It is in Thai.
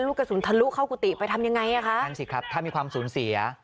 ลูกกระสุนทะลุเข้ากุฏิไปทำยังไงอ่ะคะนั่นสิครับถ้ามีความสูญเสีย